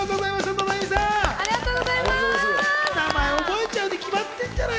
名前覚えちゃうに決まってんじゃない！